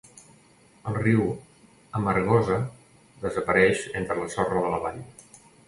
El riu Amargosa desapareix entre la sorra de la vall.